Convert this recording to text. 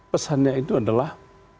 pesannya itu adalah